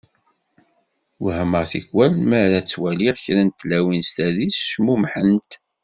Wehmeɣ tikwal mi ara ttwaliɣ kra n tlawin s tadist cmumḥent.